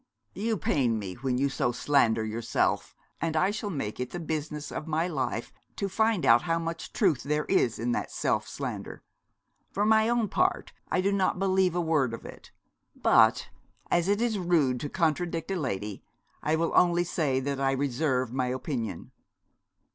'You pain me when you so slander yourself; and I shall make it the business of my life to find out how much truth there is in that self slander. For my own part I do not believe a word of it; but as it is rude to contradict a lady I will only say that I reserve my opinion.'